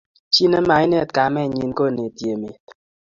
Chi ne mainet kamenyin ko ineti emet